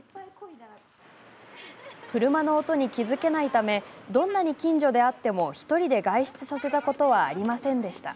車の音に気付けないためどんなに近所であっても１人で外出させたことはありませんでした。